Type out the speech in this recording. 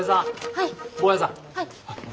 はい。